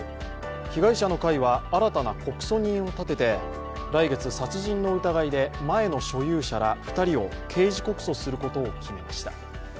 被害者の会は新たな告訴人を立てて来月、殺人の疑いで前の所有者ら２人を刑事告訴することを決めました。